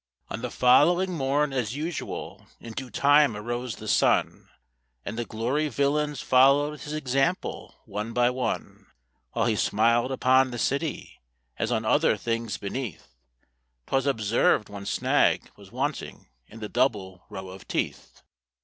On the following morn as usual in due time arose the sun, And the Gloryvillins followed his example one by one; While he smiled upon the city, as on other things beneath, 'Twas observed one snag was wanting in the double row of teeth.